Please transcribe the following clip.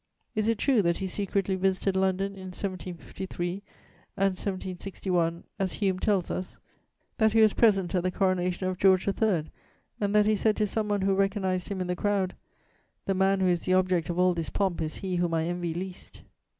Is it true that he secretly visited London in 1753 and 1761, as Hume tells us, that he was present at the coronation of George III., and that he said to some one who recognised him in the crowd: "The man who is the object of all this pomp is he whom I envy least?"